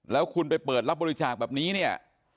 แล้วคุณไปเปิดรับบริจาคแบบนี้เนี่ย